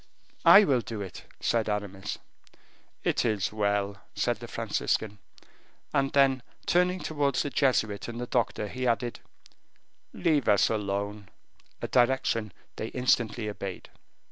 "I will do it," said Aramis. "It is well," said the Franciscan, and then turning towards the Jesuit and the doctor, he added, "Leave us alone," a direction they instantly obeyed.